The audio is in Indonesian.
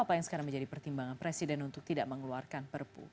apa yang sekarang menjadi pertimbangan presiden untuk tidak mengeluarkan perpu